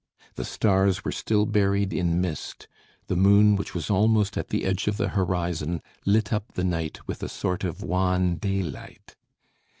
The stars were still buried in mist; the moon which was almost at the edge of the horizon, lit up the night with a sort of wan daylight.